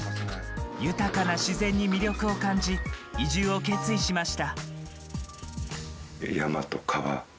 豊かな自然に魅力を感じ移住を決意しました。